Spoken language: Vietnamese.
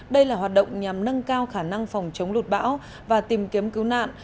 đây là hoạt động nhằm nâng cao khả năng phòng chống lụt bão và tìm kiếm cứu nạn